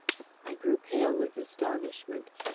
I grew pale with astonishment.